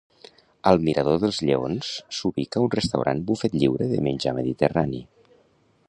Al mirador dels lleons s'ubica un restaurant bufet lliure de menjar mediterrani.